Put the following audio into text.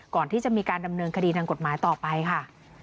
ก่อนที่จะมีการดำเนินคดีทางกฎหมายต่อไปค่ะ